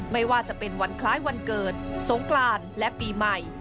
ไม่ว่าจะเป็นวันคล้ายวันเกิดสงกรานและปีใหม่